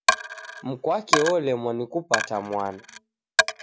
Mkwake olemwa ni kupata mwana